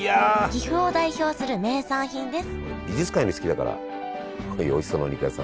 岐阜を代表する名産品です